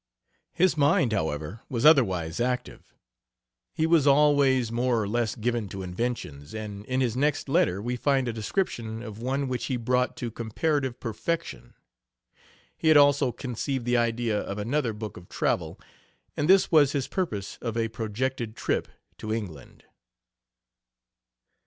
His mind, however, was otherwise active. He was always more or less given to inventions, and in his next letter we find a description of one which he brought to comparative perfection. He had also conceived the idea of another book of travel, and this was his purpose of a projected trip to England.